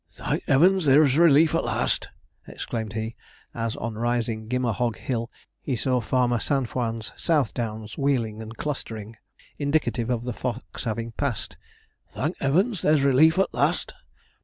'Thank 'eavens there's relief at last!' exclaimed he, as on rising Gimmerhog Hill he saw Farmer Saintfoin's southdowns wheeling and clustering, indicative of the fox having passed; 'thank 'eavens, there's relief at last!'